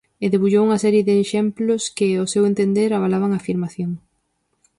E debullou unha serie de exemplos que, ao seu entender, avalaban a afirmación.